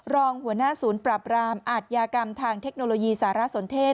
รองหัวหน้าศูนย์ปราบรามอาทยากรรมทางเทคโนโลยีสารสนเทศ